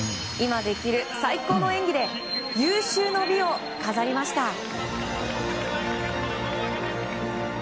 今できる最高の演技で有終の美を飾りました。